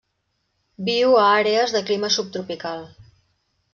Viu a àrees de clima subtropical.